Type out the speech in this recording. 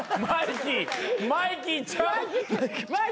桂マイキー。